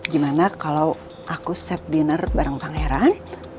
gimana kalau aku safe dinner bareng pangeran